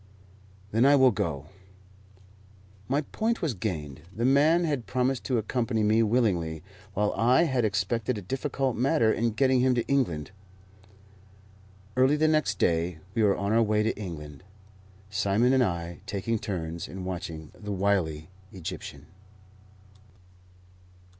"Then I will go." My point was gained. The man had promised to accompany me willingly, while I had expected a difficult matter in getting him to England. Early the next day we were on our way to England, Simon and I taking turns in watching the wily Egyptian.